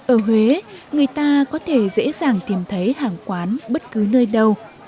ở huế người ta có thể dễ dàng tìm thấy hàng quán bất cứ nơi đâu